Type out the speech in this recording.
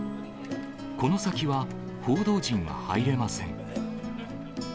この先は、報道陣は入れません。